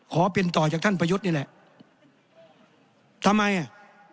ขอเป็นต่อจากท่านประยุทธ์นี่แหละทำไมอ่ะ